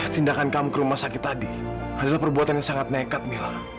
tindakan kamu ke rumah sakit tadi adalah perbuatan yang sangat nekat mila